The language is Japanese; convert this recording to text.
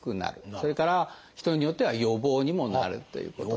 それから人によっては予防にもなるということですね。